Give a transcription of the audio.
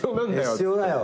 必要だよ。